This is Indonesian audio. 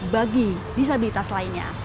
bagi disabilitas lainnya